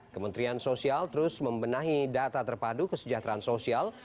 kementerian sosial terus membenahi data terpadu kesejahteraan sosial